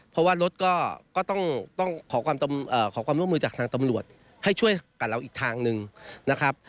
เพราะว่ารถก็ต้องขอความร่วมมือจากทางตำรวจให้ช่วยกับเราอีกทางหนึ่งนะครับ